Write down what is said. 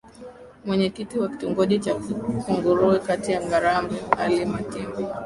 Mwenyekiti wa Kitongoji cha Kungurwe Kata ya Ngarambe Ali Matimbwa